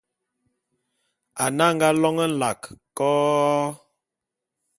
Ane anga lône nlak ko-o-o!